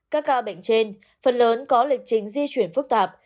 các ca bệnh trên phần lớn có lịch trình di chuyển phức tạp